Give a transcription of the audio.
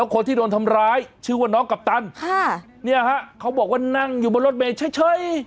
คนที่โดนทำร้ายชื่อว่าน้องกัปตันค่ะเนี่ยฮะเขาบอกว่านั่งอยู่บนรถเมย์เฉย